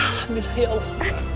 alhamdulillah ya allah